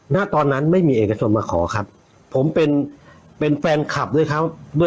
ณตอนนั้นไม่มีเอกชนมาขอครับผมเป็นแฟนคลับด้วยครับ